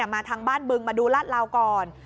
มาทางบ้านบึงมาดูลาดลาวก่อน